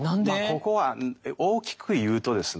ここは大きく言うとですね